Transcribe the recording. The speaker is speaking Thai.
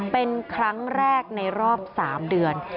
เป็นครั้งแรกในรอบ๓เดือน